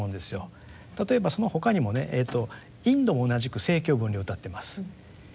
例えばその他にもねインドも同じく政教分離を謳っています。